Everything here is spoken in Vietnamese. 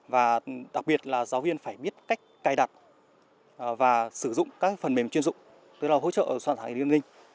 và đặc biệt là giáo viên phải biết cách cài đặt và sử dụng các phần mềm chuyên dụng để hỗ trợ soạn thảo e learning